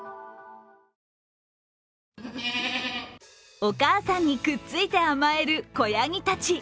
お母さんにくっついて甘える子やぎたち。